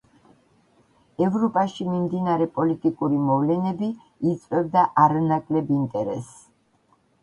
ევროპაში მიმდინარე პოლიტიკური მოვლენები იწვევდა არანაკლებ ინტერესს.